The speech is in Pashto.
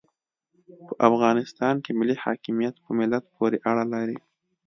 په افغانستان کې ملي حاکمیت په ملت پوري اړه لري.